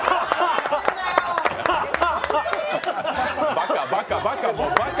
バカ、バカ、バカ、もうバカ。